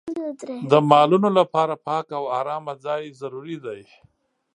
د مالونو لپاره پاک او ارامه ځای ضروري دی.